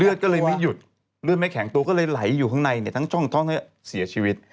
ก็เลยไม่หยุดเลือดไม่แข็งตัวก็เลยไหลอยู่ข้างในเนี่ยทั้งช่องท้องเสียชีวิต